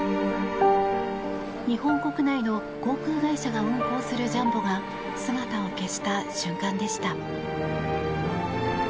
日本国内の航空会社が運航するジャンボが姿を消した瞬間でした。